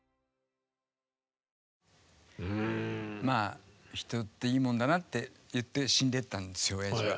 まあ「人っていいもんだな」って言って死んでったんですよ親父は。